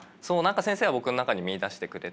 先生は僕の中に見いだしてくれて。